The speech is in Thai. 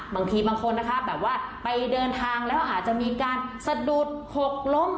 บางทีบางคนนะคะแบบว่าไปเดินทางแล้วอาจจะมีการสะดุดหกล้ม